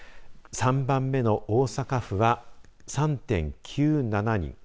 ３番目の大阪府は３．９７人